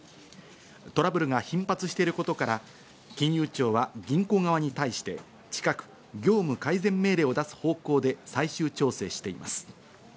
トラブルが頻発していることから、金融庁は銀行側に対して近く業務改善命令を出す方向で最終調整しています。